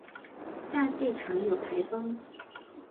夏季常有台风。